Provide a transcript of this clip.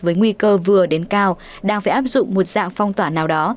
với nguy cơ vừa đến cao đang phải áp dụng một dạng phong tỏa nào đó